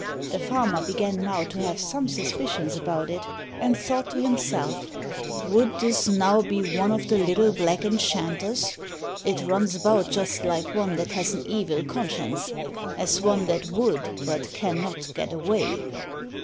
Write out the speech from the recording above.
The farmer began now to have some suspicions about it, and thought to himself "Would this now be one of the little black enchanters? It runs about just like one that has an evil conscience, as one that would, but cannot, get away."